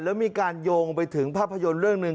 แล้วมีการโยงไปถึงภาพยนตร์เรื่องหนึ่ง